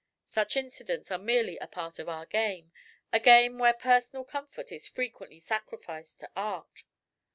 Such incidents are merely a part of our game a game where personal comfort is frequently sacrificed to art.